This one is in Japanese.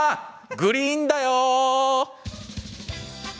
グリーンだよ」。